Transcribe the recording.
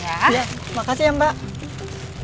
iya makasih ya mbak